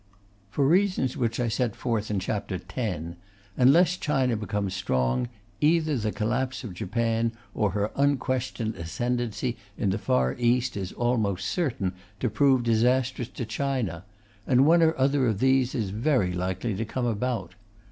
For reasons which I set forth in Chap. X., unless China becomes strong, either the collapse of Japan or her unquestioned ascendency in the Far East is almost certain to prove disastrous to China; and one or other of these is very likely to come about.